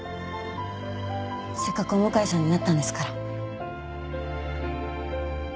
せっかくお向かいさんになったんですから。